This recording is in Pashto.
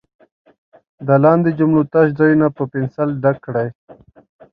د لاندې جملو تش ځایونه په پنسل ډک کړئ.